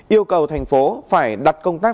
yêu cầu thành phố phải đặt công tác